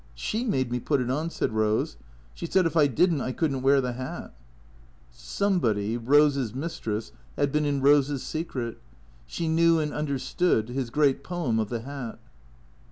" She made me put it on," said Rose. " She said if I did n't, I could n't wear the hat/' Somebody, Rose's mistress, had been in Rose's secret. She knew and understood his great poem of the Hat.